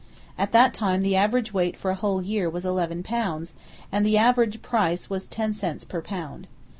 At that time the average weight for a whole year was eleven pounds, and the average price was ten cents per pound.